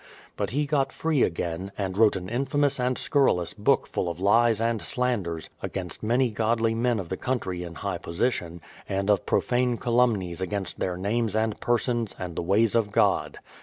But he got free again, and wrote an infamous and scurrilous book full of lies and slanders against many godly men of the country in high position, and of profane calumnies against their names and persons, and the ways of God.